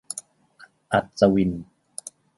- อัศวิน